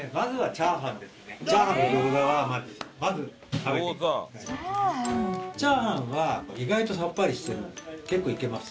チャーハンは意外とさっぱりしてるので結構いけます。